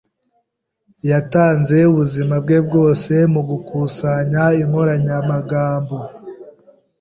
Yatanze ubuzima bwe bwose mugukusanya inkoranyamagambo.